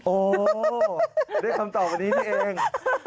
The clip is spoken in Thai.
โอ้ได้คำตอบวันนี้นี่เอง